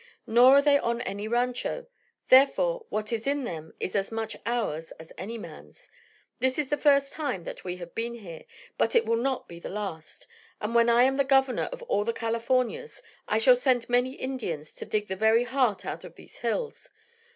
"Nor are they on any rancho. Therefore what is in them is as much ours as any man's. This is the first time that we have been here, but it will not be the last; and when I am the governor of all the Californias, I shall send many Indians to dig the very heart out of these hills.